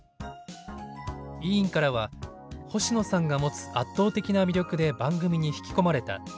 委員からは「星野さんが持つ圧倒的な魅力で番組に引き込まれた。